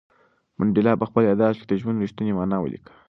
منډېلا په خپل یادښت کې د ژوند رښتینې مانا ولیکله.